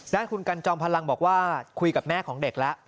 ด้านคุณกันจอมพลังบอกว่าคุยกับแม่ของเด็กแล้ว